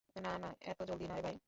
না না, এতো জলদি নারে ভাই।